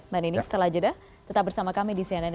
mbak nining setelah jeda tetap bersama kami di cnn indonesia